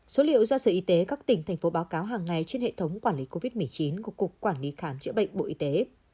số liệu do sở y tế các tỉnh thành phố báo cáo hàng ngày trên hệ thống quản lý covid một mươi chín của cục quản lý khám chữa bệnh bộ y tế